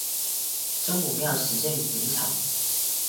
真武庙始建于明朝。